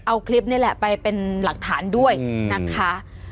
เอาคลิปนี่แหละไปเป็นหลักฐานด้วยนะคะ